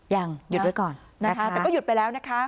ยังหยุดไว้ก่อนนะคะแต่ก็หยุดไปแล้วนะคะ